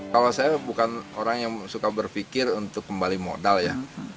kalau saya bukan orang yang suka berpikir untuk kembali modal ya